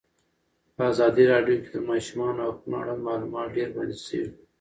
په ازادي راډیو کې د د ماشومانو حقونه اړوند معلومات ډېر وړاندې شوي.